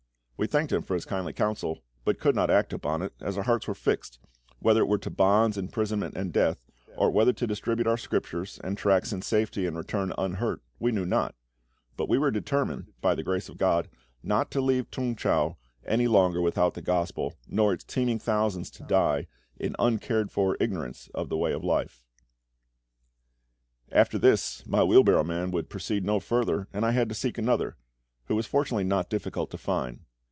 We thanked him for his kindly counsel, but could not act upon it, as our hearts were fixed, whether it were to bonds, imprisonment, and death, or whether to distribute our Scriptures and tracts in safety, and return unhurt, we knew not; but we were determined, by the grace of GOD, not to leave T'ung chau any longer without the Gospel, nor its teeming thousands to die in uncared for ignorance of the Way of life. After this my wheel barrow man would proceed no farther, and I had to seek another, who was fortunately not difficult to find.